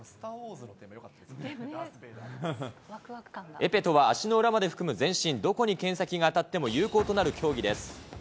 エペとは足の裏まで含む全身どこに剣先が当たっても有効となる競技です。